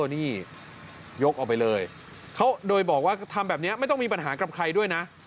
นี่ยกออกไปเลยเขาโดยบอกว่าทำแบบนี้ไม่ต้องมีปัญหากับใครด้วยนะ